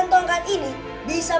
tongkat ini bisa mengakan serigala itu